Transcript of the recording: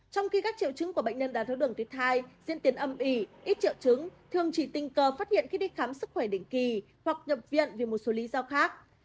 trong khi các triệu chứng của bệnh nhân đáy thái đường tuyết hai diễn tiến âm ỉ ít triệu chứng thường chỉ tình cờ phát hiện khi đi khám sức khỏe đỉnh kỳ hoặc nhập viện vì một số lý do khác